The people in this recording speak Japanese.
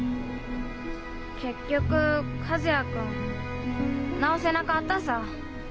結局和也君治せなかったさぁ。